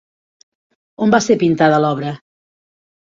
On va ser pintada l'obra?